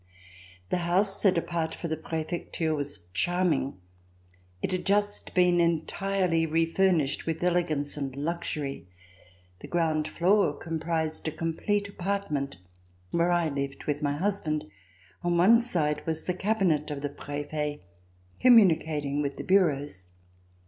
The house set apart for the Prefecture was charm ing. It had just been entirely refurnished with ele gance and luxury. The ground floor comprised a complete apartment where I lived with my husband. On one side was the cabinet of the Prefet, communi cating with the bureaus.